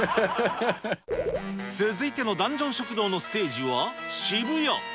続いてのダンジョン食堂のステージは渋谷。